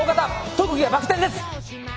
特技はバク転です！